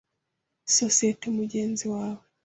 sosiyete, mugenzi wawe? ”